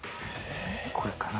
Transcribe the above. これかな？